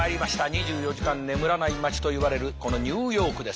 ２４時間眠らない街といわれるこのニューヨークです。